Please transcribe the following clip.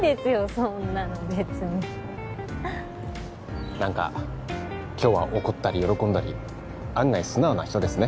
そんなの別に何か今日は怒ったり喜んだり案外素直な人ですね